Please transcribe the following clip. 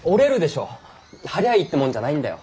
貼りゃあいいってもんじゃないんだよ。